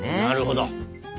なるほど。